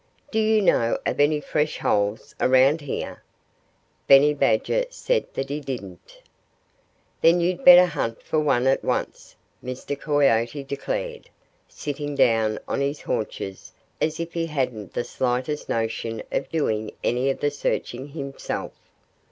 "Do you know of any fresh holes around here?" Benny Badger said that he didn't. "Then you'd better hunt for one at once," Mr. Coyote declared, sitting down on his haunches as if he hadn't the slightest notion of doing any of the searching himself.